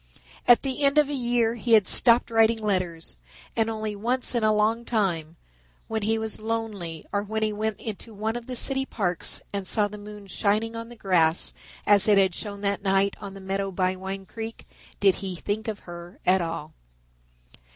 At the end of a year he had stopped writing letters, and only once in a long time, when he was lonely or when he went into one of the city parks and saw the moon shining on the grass as it had shone that night on the meadow by Wine Creek, did he think of her at all.